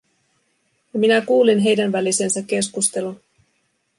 Ja minä kuulin heidän välisensä keskustelun.